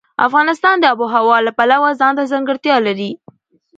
افغانستان د آب وهوا د پلوه ځانته ځانګړتیا لري.